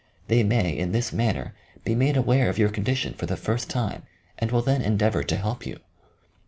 They may in this manner be made aware of your condition for the first time, and will then endeavour to help you.